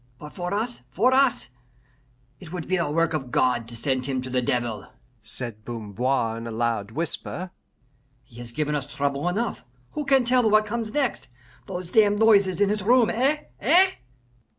"But for us for us!" "It would be a work of God to send him to the devil," said Bamboir in a loud whisper. "He has given us trouble enough. Who can tell what comes next? Those damned noises in his room, eh eh?"